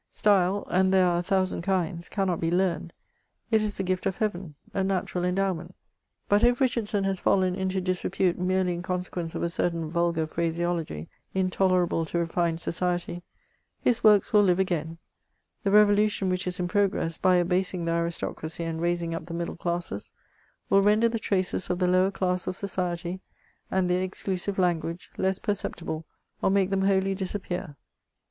Style, and there are a thousand kinds, cannot be learned — ^it is the gift of heaven — a natural endowment. But if Richardson has fdlen into disrepute merely in consequence of a certain vulgar phrase ology, intolerable to refined society, his works will live again ; the revolution which is in progress, by abasing the aristocracy and raising up the middle classes, will render the traces of the lower class of society, and their exclusive language, less per ceptible, or make them wholly disappear.